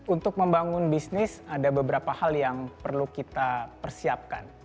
untuk membangun bisnis ada beberapa hal yang perlu kita persiapkan